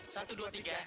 satu dua tiga